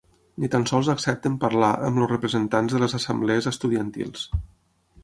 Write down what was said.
Ni tan sols accepten parlar amb els representants de les assemblees estudiantils.